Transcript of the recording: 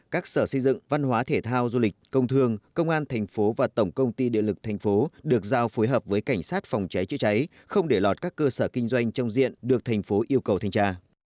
các sở xây dựng văn hóa thể thao du lịch công thương công an thành phố và tổng công ty địa lực thành phố được giao phối hợp với cảnh sát phòng cháy chữa cháy không để lọt các cơ sở kinh doanh trong diện được thành phố yêu cầu thanh tra